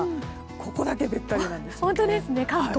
ここだけ、べったりなんですね。